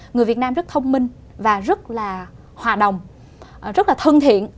người việt nam rất thông minh và rất là hòa đồng rất là thân thiện